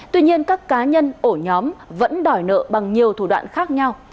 tuy nhiên các cá nhân ổ nhóm vẫn đòi nợ bằng nhiều thủ đoạn khác nhau